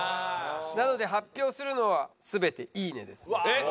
なので発表するのは全て「いいね」です。